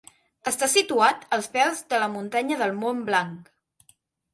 Està situat als peus de la muntanya del Mont Blanc.